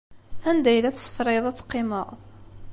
Anda ay la tessefrayeḍ ad teqqimeḍ?